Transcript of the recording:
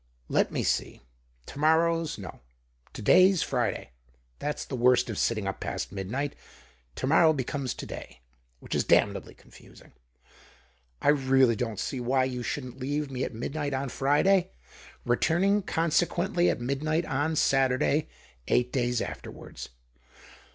Let me see, to moiTow's — no, to day's Friday. That's the worst of sitting up past midnight ; to morrow becomes to day, which is damnably confusing. I really don't see why you shouldn't leave me at midnight on Friday, returning, conse quently, at midnight on Saturday— eight days afterwards.